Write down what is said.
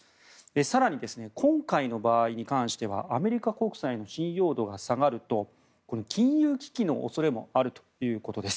更に今回の場合に関してはアメリカ国債の信用度が下がると金融危機の恐れもあるということです。